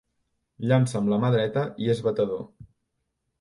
Llança amb la mà dreta i és batedor.